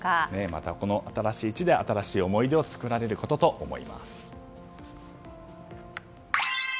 また新しい地で新しい思い出を作られることと思います。